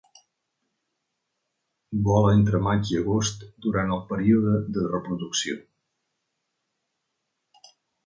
Vola entre maig i agost durant el període de reproducció.